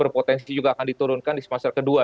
potensi juga akan diturunkan di semasa kedua